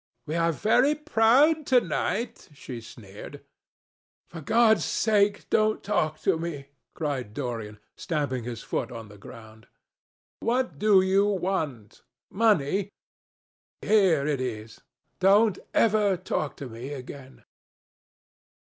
"We are very proud to night," she sneered. "For God's sake don't talk to me," cried Dorian, stamping his foot on the ground. "What do you want? Money? Here it is. Don't ever talk to me again."